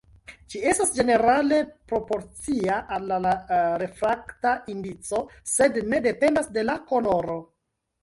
Ĝi estas ĝenerale proporcia al la refrakta indico, sed ne dependas de la koloro.